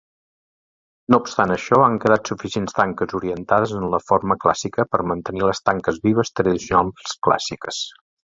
No obstant això, han quedat suficients tanques orientades en la forma clàssica, per mantenir les tanques vives tradicionals clàssiques.